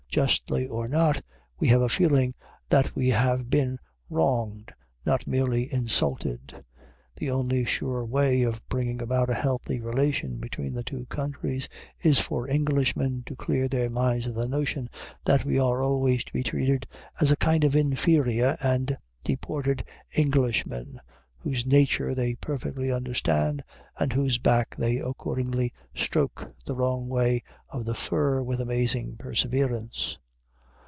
Justly or not, we have a feeling that we have been wronged, not merely insulted. The only sure way of bringing about a healthy relation between the two countries is for Englishmen to clear their minds of the notion that we are always to be treated as a kind of inferior and deported Englishman whose nature they perfectly understand, and whose back they accordingly stroke the wrong way of the fur with amazing perseverance.